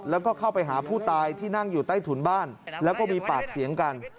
แล้วก็เข้าไปหาผู้ตายที่นั่งอยู่ใต้ถุนบ้านแล้วก็มีปากเสียงกัน